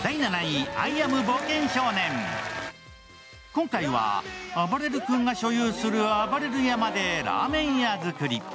今回は、あばれる君が所有するあばれる山でラーメン屋作り。